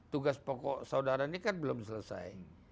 tugas pokok saudara ini kan belum selesai